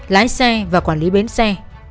lái xe và quản lý bến xe